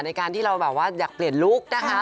ในการที่เราอยากเปลี่ยนลุกนะคะ